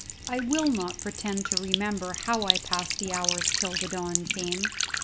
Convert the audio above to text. I will not pretend to remember how I passed the hours till the dawn came.